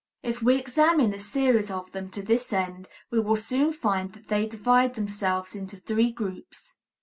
If we examine a series of them to this end, we will soon find that they divide themselves into three groups.